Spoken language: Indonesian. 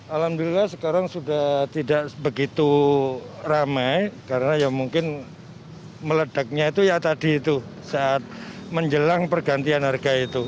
alhamdulillah sekarang sudah tidak begitu ramai karena ya mungkin meledaknya itu ya tadi itu saat menjelang pergantian harga itu